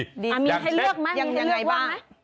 มีให้เลือกว่ามั้ย